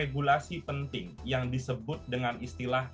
regulasi penting yang disebut dengan istilah